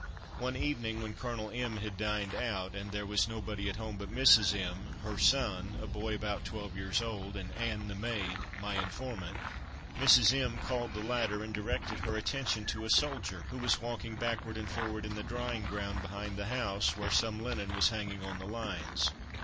One evening when Colonel M—— had dined out, and there was nobody at home but Mrs. M——, her son (a boy about twelve years old), and Ann the maid (my informant), Mrs. M—— called the latter, and directed her attention to a soldier, who was walking backward and forward in the drying ground, behind the house, where some linen was hanging on the lines.